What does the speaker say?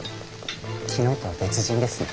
昨日とは別人ですね。